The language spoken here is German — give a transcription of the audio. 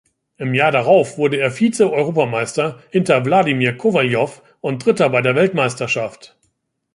Im Jahr darauf wurde er Vize-Europameister hinter Wladimir Kowaljow und Dritter bei der Weltmeisterschaft.